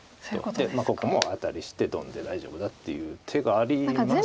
でここもアタリしてドンで大丈夫だっていう手がありますか？